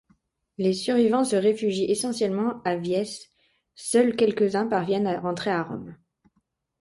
Les survivants se réfugient essentiellement à Véies, seuls quelques-uns parviennent à rentrer à Rome.